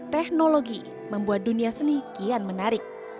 teknologi membuat dunia seni kian menarik